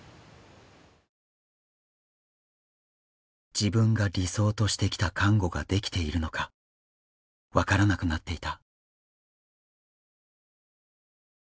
自分が理想としてきた看護ができているのか分からなくなっていた。